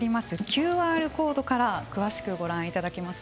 ＱＲコードから詳しくご覧いただけます。